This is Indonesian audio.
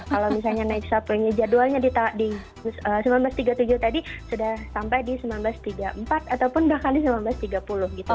kalau misalnya naik suppy nya jadwalnya di seribu sembilan ratus tiga puluh tujuh tadi sudah sampai di seribu sembilan ratus tiga puluh empat ataupun bahkan di seribu sembilan ratus tiga puluh gitu